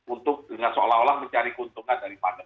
untuk dengan seolah olah mencari keuntungan dari pandemi